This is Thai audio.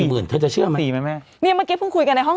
หมื่นทะเชอมั้ยสี่แม่แม่เนี้ยเมื่อกี้พึ่งคุยกันในห้อง